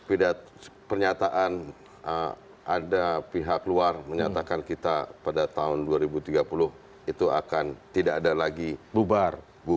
pada pernyataan ada pihak luar menyatakan kita pada tahun dua ribu tiga puluh itu akan tidak ada lagi bubar